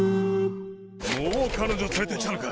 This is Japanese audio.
もう彼女連れてきたのか！